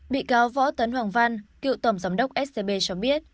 bị cáo võ tấn hoàng văn cựu tổng giám đốc scb cho biết